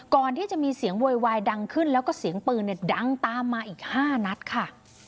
ก่อนที่จะมีเสียงโวยวายดังขึ้นแล้วก็เสียงปืนดังตามมาอีก๕นัดค่ะ